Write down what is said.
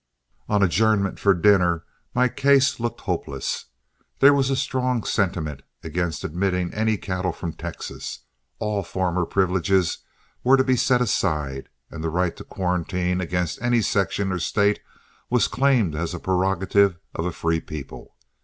On adjournment for dinner, my case looked hopeless. There was a strong sentiment against admitting any cattle from Texas, all former privileges were to be set aside, and the right to quarantine against any section or state was claimed as a prerogative of a free people.